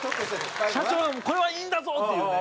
社長がこれはいいんだぞっていうね。